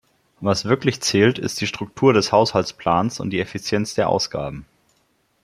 Was wirklich zählt, ist die Struktur des Haushaltsplans und die Effizienz der Ausgaben.